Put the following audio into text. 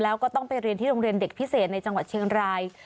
แล้วก็ต้องไปเรียนที่โรงเรียนเด็กพิเศษในจังหวัดเชียงราย